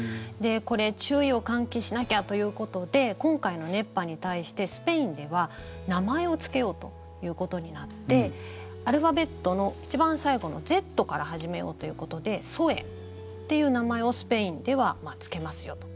これ、注意を喚起しなきゃということで今回の熱波に対してスペインでは名前をつけようということになってアルファベットの一番最後の「Ｚ」から始めようということでＺｏｅっていう名前をスペインではつけますよと。